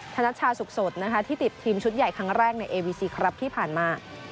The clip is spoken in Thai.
นัชชาสุขสดนะคะที่ติดทีมชุดใหญ่ครั้งแรกในเอวีซีครับที่ผ่านมา